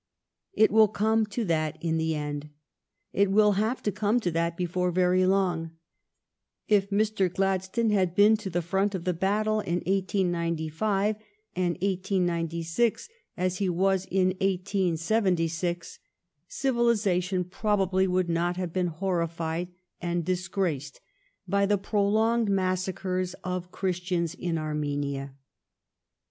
It will come to that in the end. It will have to come to that before very long. If Mr. Gladstone had been to the front of the battle in 1895 ^^^ 1896, as he was in 1876, civilization probably would not have been horrified and disgraced by the prolonged massacres of Christians in Armenia.